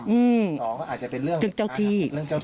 สองก็อาจจะเป็นเรื่องเจ้าที่